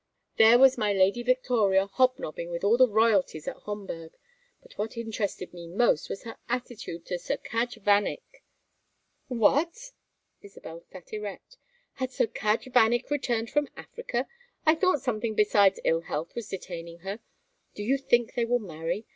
There was my Lady Victoria hobnobbing with all the royalties at Homburg. But what interested me most was her attitude to Sir Cadge Vanneck " "What?" Isabel sat erect. "Has Sir Cadge Vanneck returned from Africa? I thought something besides ill health was detaining her. Do you think they will marry?